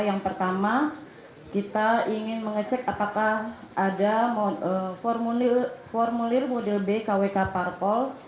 yang pertama kita ingin mengecek apakah ada formulir model b kwk parpol